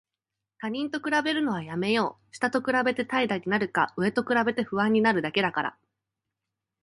他人と比べるのはやめよう。下と比べて怠惰になるか、上と比べて不安になるだけだから。